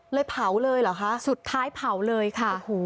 เผาเลยเหรอคะสุดท้ายเผาเลยค่ะโอ้โห